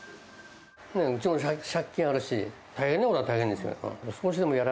うちも借金あるし、大変なことは大変ですよ、やっぱ。